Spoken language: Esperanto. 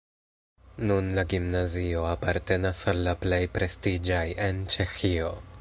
Nun la gimnazio apartenas al la plej prestiĝaj en Ĉeĥio.